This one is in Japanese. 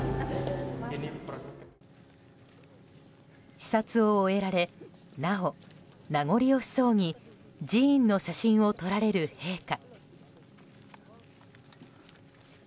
視察を終えられなお名残惜しそうに寺院の写真を撮られる陛下。